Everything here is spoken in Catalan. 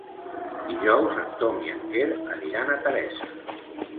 Dijous en Tom i en Quer aniran a Teresa.